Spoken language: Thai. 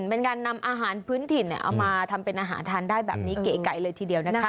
เป็นการนำอาหารพื้นถิ่นเอามาทำเป็นอาหารทานได้แบบนี้เก๋ไก่เลยทีเดียวนะคะ